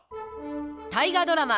大河ドラマ